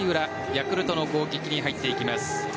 ヤクルトの攻撃に入っていきます。